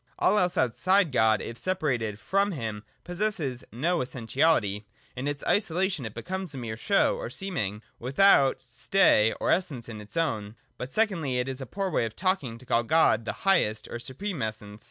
All else outside God, if separated from him, possesses no essentiality : in its isolation it becomes a mere show or seeming, without stay or essence of its own. But, secondly, it is a poor way of talking to call God the highest or supreme Essence.